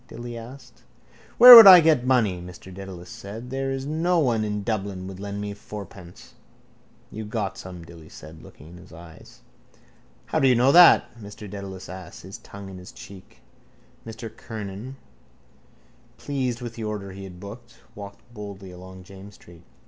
Dilly asked. —Where would I get money? Mr Dedalus said. There is no one in Dublin would lend me fourpence. —You got some, Dilly said, looking in his eyes. —How do you know that? Mr Dedalus asked, his tongue in his cheek. Mr Kernan, pleased with the order he had booked, walked boldly along James's street.